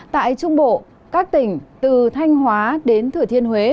tại trung bộ các tỉnh từ thanh hóa đến thừa thiên huế